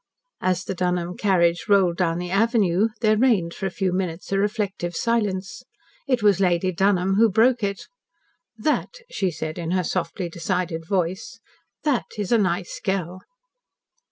As the Dunholm carriage rolled down the avenue there reigned for a few minutes a reflective silence. It was Lady Dunholm who broke it. "That," she said in her softly decided voice, "that is a nice girl."